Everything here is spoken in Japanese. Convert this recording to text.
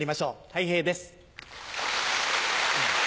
たい平です。